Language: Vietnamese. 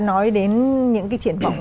nói đến những cái triển vọng